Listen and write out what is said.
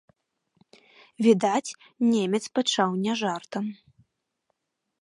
Відаць, немец пачаў не жартам.